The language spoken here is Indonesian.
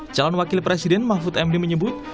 calon wakil presiden mahfud md menyebut